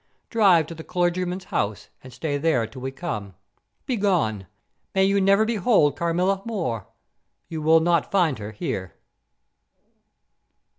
Drive to the clergyman's house, and stay there till we come. Begone! May you never behold Carmilla more; you will not find her here."